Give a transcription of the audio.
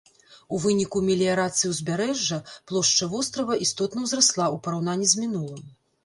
У выніку меліярацыі ўзбярэжжа плошча вострава істотна ўзрасла ў параўнанні з мінулым.